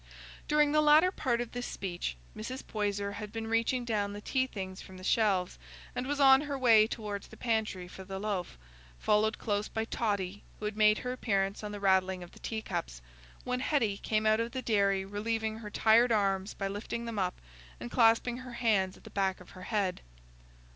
During the latter part of this speech, Mrs. Poyser had been reaching down the tea things from the shelves, and was on her way towards the pantry for the loaf (followed close by Totty, who had made her appearance on the rattling of the tea cups), when Hetty came out of the dairy relieving her tired arms by lifting them up, and clasping her hands at the back of her head.